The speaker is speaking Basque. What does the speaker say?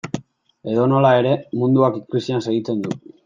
Edonola den ere, munduak krisian segitzen du.